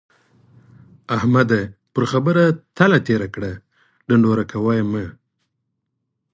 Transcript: احمده! پر خبره تله تېره کړه ـ ډنډوره کوه يې مه.